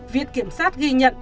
viện kiểm soát ghi nhận